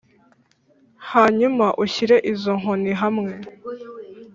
Hanyuma ushyire izo nkoni hamwe